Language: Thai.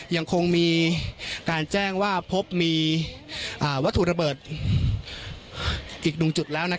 ยังคงมีการแจ้งว่าพบมีอ่าวัตถุระเบิดอีกดวงจุดแล้วนะครับ